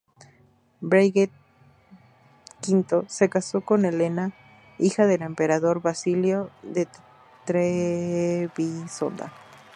Bagrat V se casó con Helena, hija del emperador Basilio de Trebisonda.